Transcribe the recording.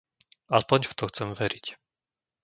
Aspoň v to chcem veriť.